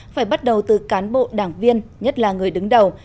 phải bắt đầu từ cán bộ đảng viên nhất là người đứng đầu